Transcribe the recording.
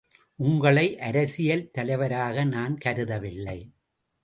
உங்களை அரசியல் தலைவராக நான் கருதவில்லை.